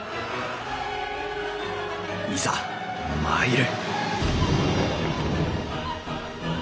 いざ参る！